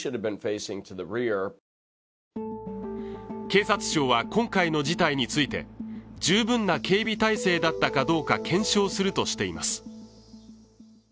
警察庁は今回の事態について十分な警備態勢だったかどうか検証するとしています。